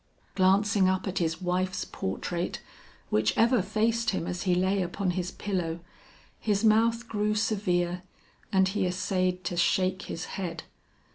Glancing up at his wife's portrait which ever faced him as he lay upon his pillow, his mouth grew severe and he essayed to shake his head.